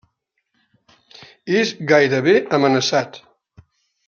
És gairebé amenaçat.